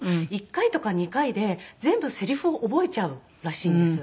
１回とか２回で全部セリフを覚えちゃうらしいんです。